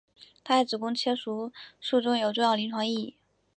它在子宫切除术中有重要临床意义。